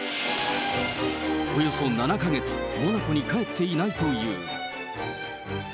およそ７か月、モナコに帰っていないという。